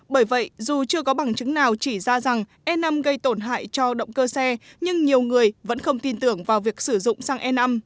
bởi vậy dù chưa có bằng chứng nào chỉ ra rằng e năm gây tổn hại cho động cơ xe nhưng nhiều người vẫn không tin tưởng vào việc sử dụng xăng e năm